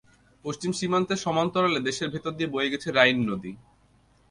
পশ্চিম সীমান্তের সমান্তরালে দেশের ভেতর দিয়ে বয়ে গেছে রাইন নদী।